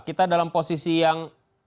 kita dalam posisi yang